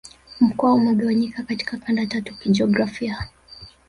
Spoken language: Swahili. Mkoa umegawanyika katika kanda tatu kijiografia